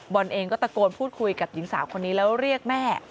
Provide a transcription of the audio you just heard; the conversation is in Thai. เองก็ตะโกนพูดคุยกับหญิงสาวคนนี้แล้วเรียกแม่